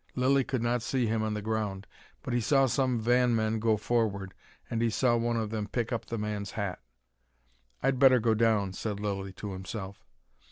Lilly could not see him on the ground, but he saw some van men go forward, and he saw one of them pick up the man's hat. "I'd better go down," said Lilly to himself.